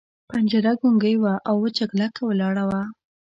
پنجره ګونګۍ وه او وچه کلکه ولاړه وه.